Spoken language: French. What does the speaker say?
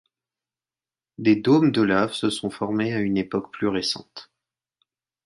Des dômes de lave se sont formés à une époque plus récente.